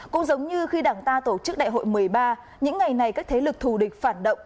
cũng giống như khi đảng ta tổ chức đại hội một mươi ba những ngày này các thế lực thù địch phản động